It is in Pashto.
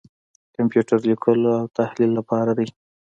کمپیوټر لیکلو او تحلیل لپاره دی.